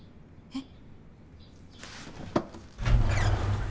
えっ？